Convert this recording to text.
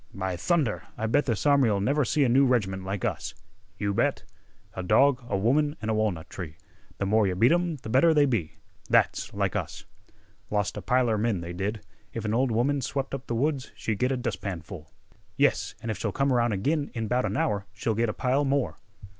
"By thunder, I bet this army'll never see another new reg'ment like us!" "You bet!" "A dog, a woman, an' a walnut tree Th' more yeh beat 'em, th' better they be! That's like us." "Lost a piler men, they did. If an ol' woman swep' up th' woods she'd git a dustpanful." "Yes, an' if she'll come around ag'in in 'bout an hour she'll get a pile more."